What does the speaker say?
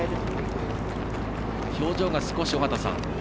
表情が少し、尾方さん